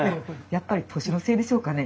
やっぱり年のせいでしょうかね